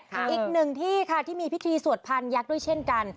อีกหนึ่งที่มีพิธีสวทธิ์พันธุ์ยักษ์ด้วยเช่นกัน